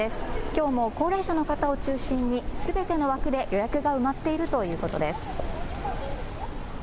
きょうも高齢者の方を中心にすべての枠で予約が埋まっているということです。